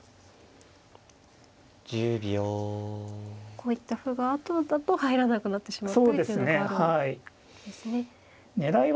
こういった歩が後だと入らなくなってしまうという順があるんですね。